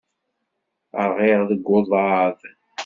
Rɣiɣ deg uḍaḍ.